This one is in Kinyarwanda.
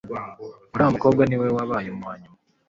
uriya mukobwa niwe wabaye uwanyuma